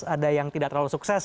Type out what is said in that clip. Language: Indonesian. ada yang tidak terlalu sukses